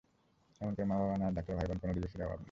এমন করে মা, বাবা, নার্স, ডাক্তার, ভাইবোন কোনো দিবসেরই অভাব নেই।